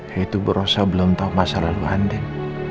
yaitu berosa belum tahu masa lalu andin